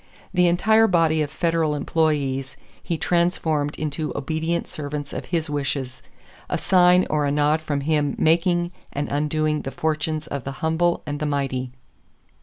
The entire body of federal employees he transformed into obedient servants of his wishes, a sign or a nod from him making and undoing the fortunes of the humble and the mighty.